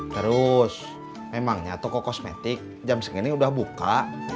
terus memangnya toko kosmetik jam segini udah buka